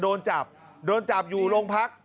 โดนจับโดนจับอยู่โรงพัก